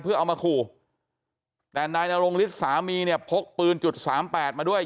เพื่อเอามาคู่แต่นายนโรงฤทธิ์สามีเนี่ยพกปืน๓๘มาด้วย